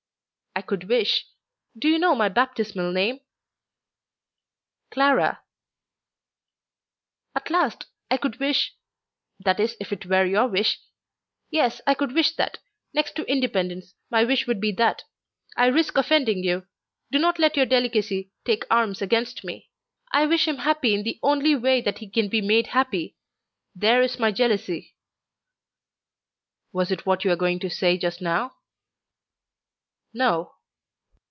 "I could wish: Do you know my baptismal name?" "Clara." "At last! I could wish ... that is, if it were your wish. Yes, I could wish that. Next to independence, my wish would be that. I risk offending you. Do not let your delicacy take arms against me. I wish him happy in the only way that he can be made happy. There is my jealousy." "Was it what you were going to say just now?" "No."